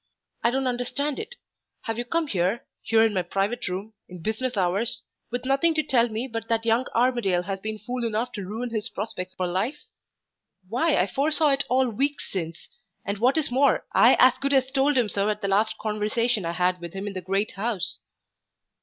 I don't understand it. Have you come here here in my private room, in business hours with nothing to tell me but that young Armadale has been fool enough to ruin his prospects for life? Why, I foresaw it all weeks since, and what is more, I as good as told him so at the last conversation I had with him in the great house."